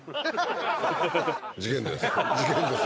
事件です。